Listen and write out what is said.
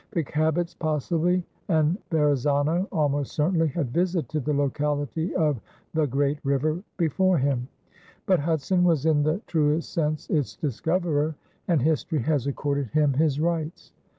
The Cabots possibly, and Verrazano almost certainly, had visited the locality of "the Great River" before him; but Hudson was in the truest sense its discoverer, and history has accorded him his rights.